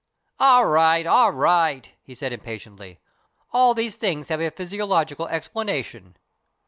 "All right, all right," he said impatiently. "All these things have a physiological explanation."